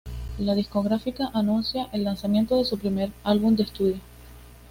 La discográfica anuncia el lanzamiento de su primer álbum de estudio.